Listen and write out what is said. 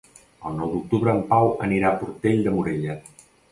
El nou d'octubre en Pau anirà a Portell de Morella.